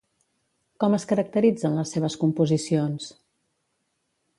Com es caracteritzen les seves composicions?